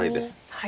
はい。